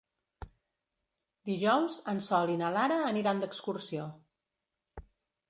Dijous en Sol i na Lara aniran d'excursió.